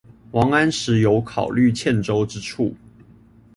王安石有考慮欠周之處